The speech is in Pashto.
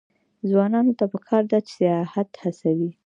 ځوانانو ته پکار ده چې، سیاحت هڅوي.